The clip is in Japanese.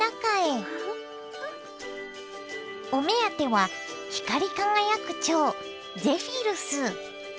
お目当ては光輝くチョウゼフィルス。